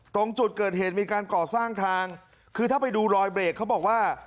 ตรงจุดเกิดเหตุมีการก่อสร้างทางคือถ้าไปดูรอยเบรกเขาบอกว่า